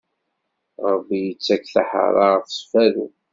Ṛebbi ittak taḥeṛṛaṛt s berru.